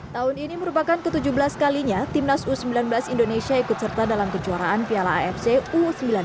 tahun ini merupakan ke tujuh belas kalinya timnas u sembilan belas indonesia ikut serta dalam kejuaraan piala afc u sembilan belas